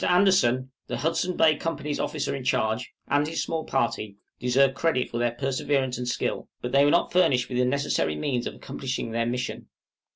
Anderson, the Hudson Bay Company's officer in charge, and his small party, deserve credit for their perseverance and skill; but they were not furnished with the necessary means of accomplishing their mission.